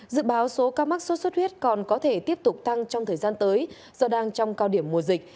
dự báo số ca mắc sốt xuất huyết còn có thể tiếp tục tăng trong thời gian tới do đang trong cao điểm mùa dịch